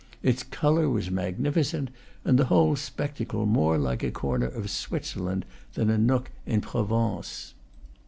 Its color was magnificent, and the whole spectacle more like a corner of Switzerland than a nook in Provence.